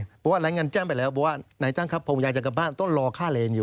เพราะว่ารายงานแจ้งไปแล้วบอกว่านายจ้างครับผมอยากจะกลับบ้านต้องรอค่าเลนอยู่